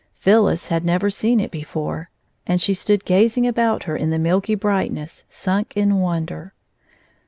...... Phyllis had never seen it before, and she stood gazing about her in the milky brightness, sunk in wonder.